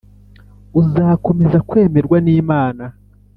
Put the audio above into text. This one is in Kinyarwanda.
uzakomeza kwemerwa n’Imana